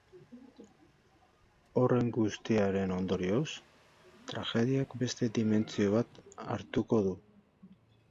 Horren guztiaren ondorioz, tragediak beste dimentsio bat hartuko du.